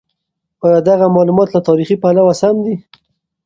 ایا دغه مالومات له تاریخي پلوه سم دي؟